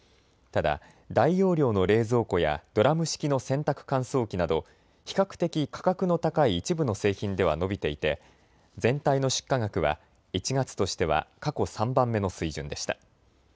ただ大容量の冷蔵庫やドラム式の洗濯乾燥機など比較的価格の高い一部の製品では伸びていて全体の出荷額は１月としては過去３番目の水準でした。